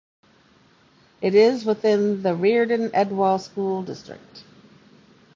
It is within the Reardan-Edwall School District.